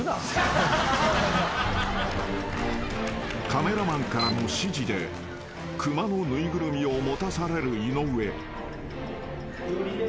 ［カメラマンからの指示で熊の縫いぐるみを持たされる井上］